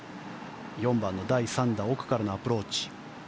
４番の第３打奥からのアプローチ。